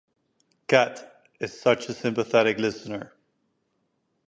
Kat is such a sympathetic listener.